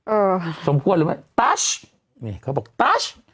เออสมควรหรือไม่ต๊าสชนี่เค้าบอกต๊าสช